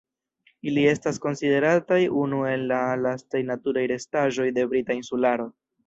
Ili estas konsiderataj unu el la lastaj naturaj restaĵoj de Brita Insularo.